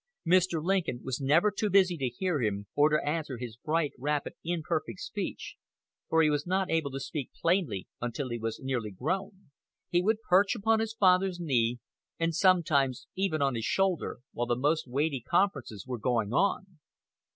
Mr. Lincoln was never too busy to hear him, or to answer his bright, rapid, imperfect speech, for he was not able to speak plainly until he was nearly grown. "He would perch upon his father's knee, and sometimes even on his shoulder, while the most weighty conferences were going on.